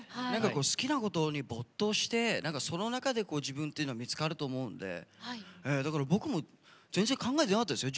好きなことに没頭して、その中で自分っていうのが見つかると思うのでだから、僕も全然考えてなかったですよ。